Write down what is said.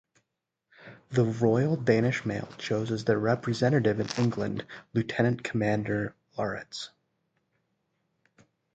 The Royal Danish Mail chose as their representative in England (lieutenant commander) Laurits Christensen.